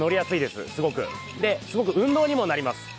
すごく運動にもなります。